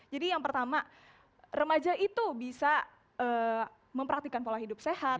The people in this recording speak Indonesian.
jadi yang pertama remaja itu bisa mempraktikan pola hidup sehat